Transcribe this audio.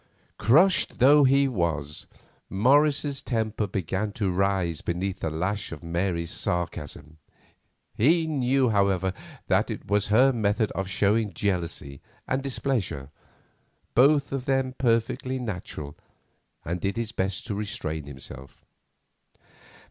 Crushed though he was, Morris's temper began to rise beneath the lash of Mary's sarcasm. He knew, however, that it was her method of showing jealousy and displeasure, both of them perfectly natural, and did his best to restrain himself.